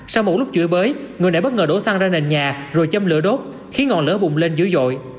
sau một lúc chửi bới người đã bất ngờ đổ xăng ra nền nhà rồi châm lửa đốt khiến ngọn lửa bùng lên dữ dội